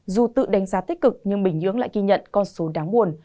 dù tự đánh giá tích cực nhưng bình nhưỡng lại ghi nhận con số đáng buồn